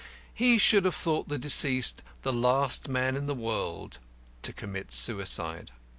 He should have thought the deceased the last man in the world to commit suicide.